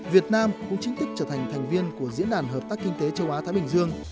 việt nam cũng chính thức trở thành thành viên của diễn đàn hợp tác kinh tế châu á thái bình dương